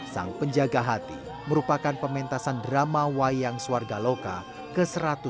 sang penjaga hati merupakan pementasan drama wayang suarga loka ke satu ratus tujuh puluh